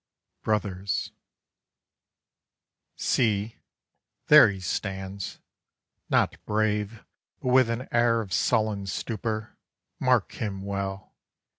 BROTHERS See! There he stands; not brave, but with an air Of sullen stupor. Mark him well!